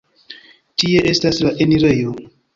Tie estas la enirejo.